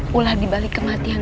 pulang dibalik kematian